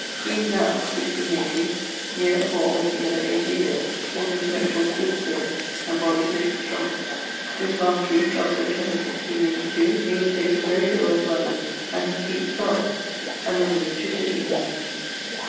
He is now (1680) neer or altogether 80 yeares, his intellectualls good still, and body pretty strong. This last weeke of Sept. 1682, he was taken very ill at London, and his feet swelled; and removed to Tittinghanger.